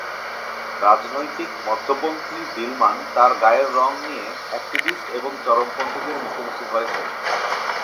রাজনৈতিক মধ্যপন্থী দিলমান তার গায়ের রং নিয়ে একটিভিস্ট এবং চরমপন্থীদের মুখোমুখি হয়েছেন।